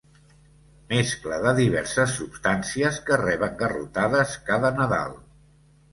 Mescla de diverses substàncies que reben garrotades cada Nadal.